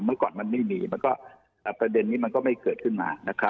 เมื่อก่อนมันไม่มีมันก็ประเด็นนี้มันก็ไม่เกิดขึ้นมานะครับ